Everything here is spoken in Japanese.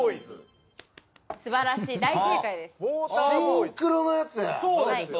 すばらしい大正解です